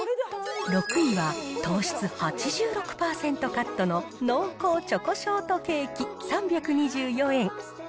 ６位は、糖質８６％カットの濃厚チョコショートケーキ３２４円。